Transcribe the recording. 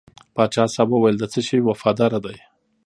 پاچا صاحب وویل د څه شي وفاداره دی.